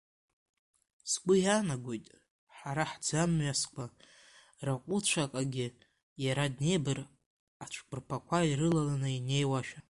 Сгәы иаанагоит, ҳара ҳӡымҩасқәа рҟәыҵәақәагьы иара Днепр ацәқәырԥақәа ирылаланы инеиуашәа.